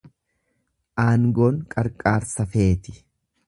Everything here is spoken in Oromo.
Aangoon qarqaarsa feeti.